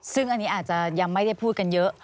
ซึ่งอันนี้อาจจะยังไม่ได้พูดกันเยอะ